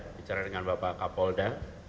bicara dengan bapak kapolda